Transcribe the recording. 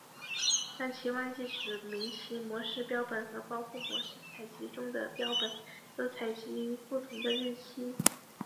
但其忘记指明其模式标本和包括模式采集中的标本都采集于不同的日期。